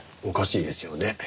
おかしいですよね。